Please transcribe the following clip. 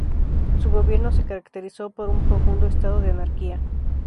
Su gobierno se caracterizó por un profundo estado de anarquía.